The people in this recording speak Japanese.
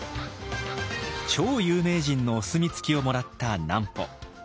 超有名人のお墨付きをもらった南畝。